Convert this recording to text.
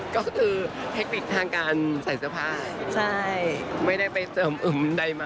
ต้องใช้เทคนิคนิดหนึ่งค่ะ